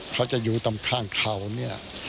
เขาจะอยู่ตรงข้างเขาเนี่ย